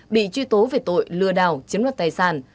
bị truy tố về tội lừa đảo chiếm đoạt tài sản